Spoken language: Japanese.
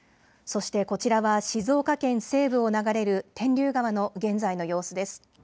そしてこちらは静岡県西部を流れる天竜川の現在の様子です。